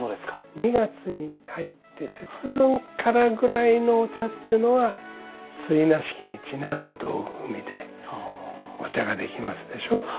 ２月に入って節分からぐらいのお茶っていうのは追儺式にちなんだ道具組でお茶ができますでしょう？